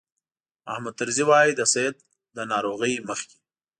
محمود طرزي وایي د سید له ناروغۍ مخکې.